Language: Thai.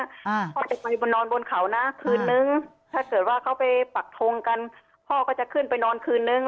พ่อจะไปนอนบนเขานะคืนนึงถ้าเกิดว่าเขาไปปักทงกันพ่อก็จะขึ้นไปนอนคืนนึง